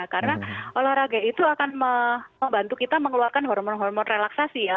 karena olahraga itu akan membantu kita mengeluarkan hormon hormon relaksasi ya